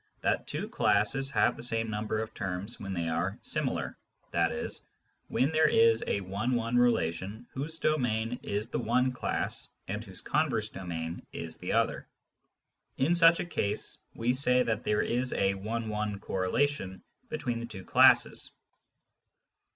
that two classes have the same number of terms when they are " similar," i.e. when there is a one one relation whose domain is the one class and whose converse domain is the other. In such a case we say that there is a " one one correlation " between the two classes.